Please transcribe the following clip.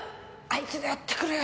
あいつであってくれ！